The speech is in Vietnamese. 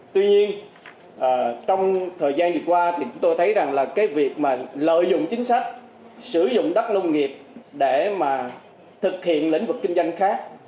tuy nhiên trong thời gian vừa qua thì chúng tôi thấy rằng là cái việc mà lợi dụng chính sách sử dụng đất nông nghiệp để mà thực hiện lĩnh vực kinh doanh khác